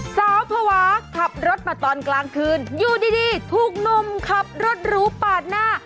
ภาวะขับรถมาตอนกลางคืนอยู่ดีถูกหนุ่มขับรถหรูปาดหน้า